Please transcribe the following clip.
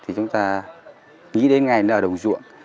thì chúng ta nghĩ đến ngày nó ở đồng ruộng